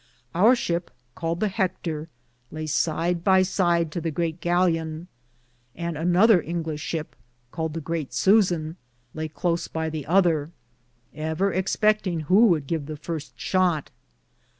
Our ship, caled the Heckter, laye sid by sid to the greate gallioune, and an other Inglishe shipp Called the Greate Susan laye close by the other, ever expectinge who would give the firste shoute.